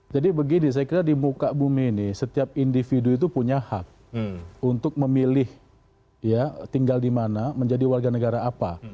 jadi begini saya kira di muka bumi ini setiap individu itu punya hak untuk memilih tinggal di mana menjadi warga negara apa